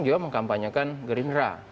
dia mengkampanyekan gerindra